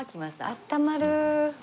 あったまる。